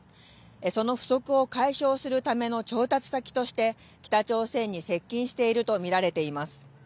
その不足を解消するための調達先として、北朝鮮に接近していると見られています。